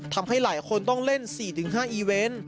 ทำให้หลายคนต้องเล่น๔๕อีเวนต์